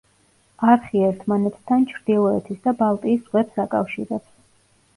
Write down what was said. არხი ერთმანეთთან ჩრდილოეთის და ბალტიის ზღვებს აკავშირებს.